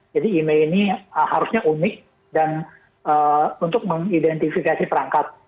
jadi email ini harusnya unik untuk mengidentifikasi perangkat